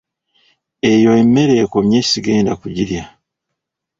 Eyo emmere ekonye sigenda kugirya.